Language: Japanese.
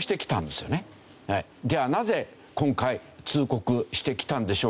ではなぜ今回通告してきたんでしょうか？